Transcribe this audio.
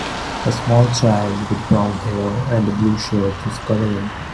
A small child with brown hair and a blue shirt is coloring.